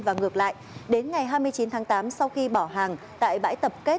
và ngược lại đến ngày hai mươi chín tháng tám sau khi bỏ hàng tại bãi tập kết